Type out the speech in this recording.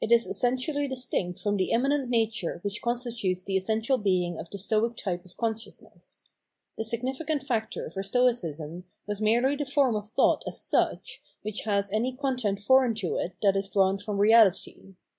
It is essentially distinct from the immanent nature which constitutes the essential being of the stoic type of consciousness. The significant factor for Stoicism was merely the form of thought as such, which has any content foreign to it that is drawm from reahty.